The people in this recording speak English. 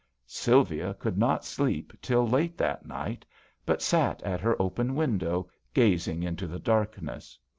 Sylvia could not sleep till late that night, but sat at her open window gazing into the darkness.